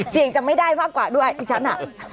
เสี่ยงจะไม่ได้มากกว่าด้วยที่ฉันอ่ะ